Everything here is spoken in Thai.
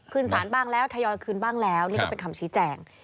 สารบ้างแล้วทยอยคืนบ้างแล้วนี่ก็เป็นคำชี้แจง